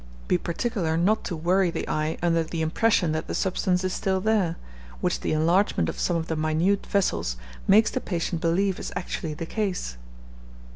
Be particular not to worry the eye, under the impression that the substance is still there, which the enlargement of some of the minute vessels makes the patient believe is actually the case.